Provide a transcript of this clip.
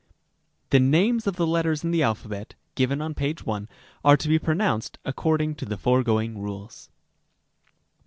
n. The names of the letters of the alphabet (given on page 1) are to be pronounced according to the foregoing rules.